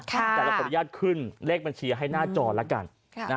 แต่เราขออนุญาตขึ้นเลขบัญชีให้หน้าจอละกัน